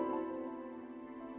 iya ibu bangga sekali